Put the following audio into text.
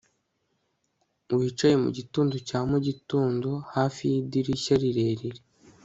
wicaye mugitondo cya mugitondo, hafi yidirishya rirerire